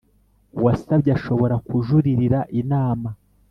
uwasabye ashobora kujuririra Inama